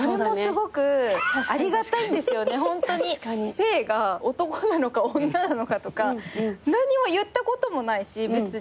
ぺえが男なのか女なのかとか何も言ったこともないし別に。